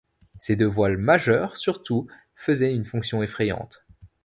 Ses deux voiles majeures surtout faisaient une fonction effrayante.